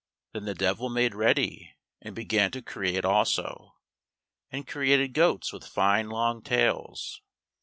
Then the Devil made ready and began to create also, and created goats with fine long tails.